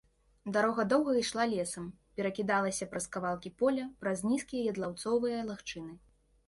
Дарога доўга ішла лесам, перакідалася праз кавалкі поля, праз нізкія ядлаўцовыя лагчыны.